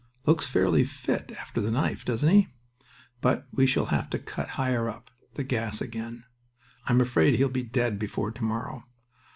"Looks fairly fit after the knife, doesn't he? But we shall have to cut higher up. The gas again. I'm afraid he'll be dead before to morrow.